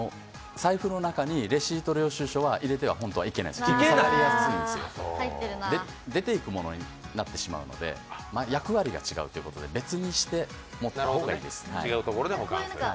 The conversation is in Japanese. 財布の中にレシート、領収書は本当は入れてはいけない、運気が下がりやすいんです、出ていくものになってしまうので役割が違うということで別にして持っていた方がいいです。